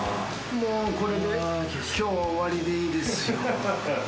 もうこれで今日は終わりでいいです。